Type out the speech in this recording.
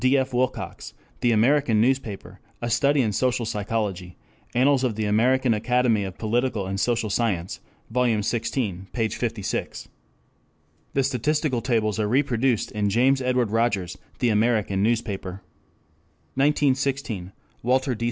D. F. Wilcox, The American Newspaper: A Study in Social Psychology, Annals of the American Academy of Political and Social Science, vol. xvi, p. 56. (The statistical tables are reproduced in James Edward Rogers, The American Newspaper.) 1916 (?) W. D.